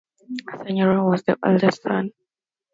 Saneyori was the eldest son.